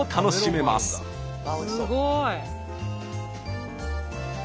すごい。